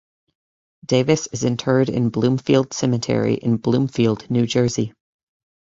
Davis is interred in Bloomfield Cemetery in Bloomfield, New Jersey.